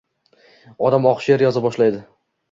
Odam oq she’r yoza boshlaydi.